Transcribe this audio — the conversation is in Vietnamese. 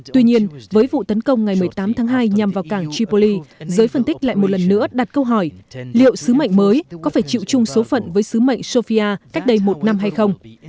tuy nhiên với vụ tấn công ngày một mươi tám tháng hai nhằm vào cảng tripoli giới phân tích lại một lần nữa đặt câu hỏi liệu sứ mệnh mới có phải chịu chung số phận với sứ mệnh sofia cách đây một năm hay không